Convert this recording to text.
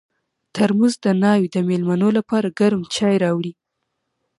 ترموز د ناوې د مېلمنو لپاره ګرم چای راوړي.